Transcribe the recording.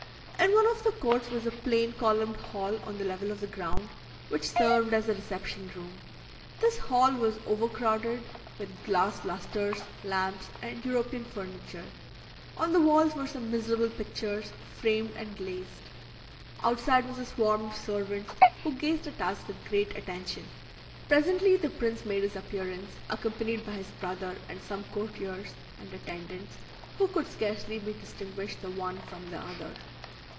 In one of the courts was a plain columned hall on the level of the ground, which served as a reception room. This hall was overcrowded with glass lustres, lamps, and European furniture; on the walls were some miserable pictures, framed and glazed. Outside was a swarm of servants, who gazed at us with great attention. Presently the prince made his appearance, accompanied by his brother, and some courtiers and attendants, who could scarcely be distinguished the one from the other.